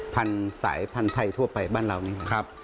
สายพันธุ์ไทยทั่วไปบ้านเรานี่ครับ